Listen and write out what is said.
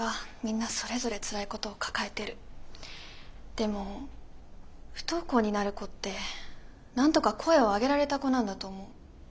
でも不登校になる子ってなんとか声を上げられた子なんだと思う。